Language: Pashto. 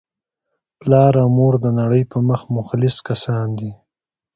پلار او مور دنړۍ په مخ مخلص کسان دي